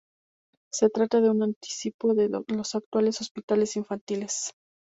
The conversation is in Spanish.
Se trata de un anticipo de los actuales hospitales infantiles.